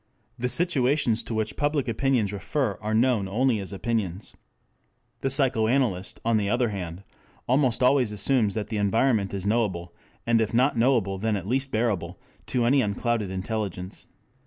The situations to which public opinions refer are known only as opinions. The psychoanalyst, on the other hand, almost always assumes that the environment is knowable, and if not knowable then at least bearable, to any unclouded intelligence.